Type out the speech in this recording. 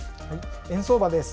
円相場です。